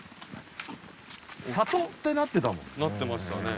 里ってなってたもんね。